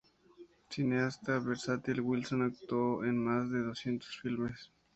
Cineasta versátil, Wilson actuó en más de doscientos filmes.